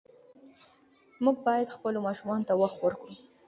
موږ باید خپلو ماشومانو ته وخت ورکړو.